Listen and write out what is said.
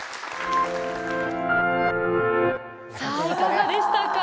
さあいかがでしたか？